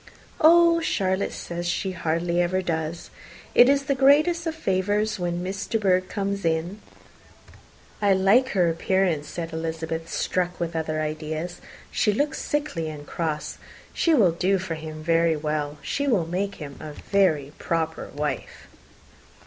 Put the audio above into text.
"Oh, Charlotte says she hardly ever does. It is the greatest of favours when Miss De Bourgh comes in." "I like her appearance," said Elizabeth, struck with other ideas. "She looks sickly and cross. Yes, she will do for him very well. She will make him a very proper wife."